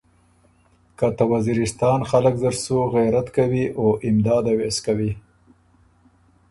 که ته وزیرستان خلق زر سُو غېرت کوی او امداده وې سو کوی۔